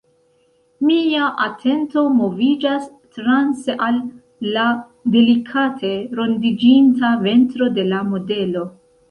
Mia atento moviĝas transe al la delikate rondiĝinta ventro de la modelo.